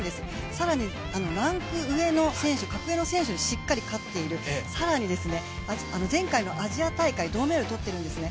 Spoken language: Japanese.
更に、格上の選手にもしっかり勝っている、更に前回のアジア大会銅メダルを取っているんですね。